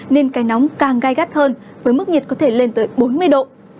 nên cái nóng càng gai gắt hơn với mức nhiệt có thể lên tới bốn mươi độ